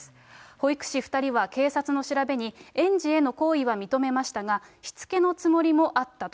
保育士２人は警察の調べに、園児への行為は認めましたが、しつけのつもりもあったと。